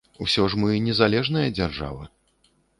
Усё ж мы незалежная дзяржава.